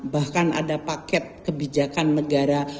bahkan ada paket kebijakan negara